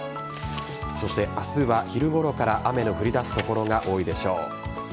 そして明日は昼ごろから雨の降り出す所が多いでしょう。